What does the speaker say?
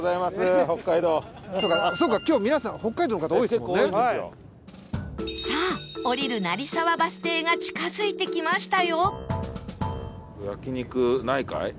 そうか今日皆さんさあ降りる成沢バス停が近づいてきましたよ